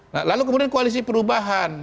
nah lalu kemudian koalisi perubahan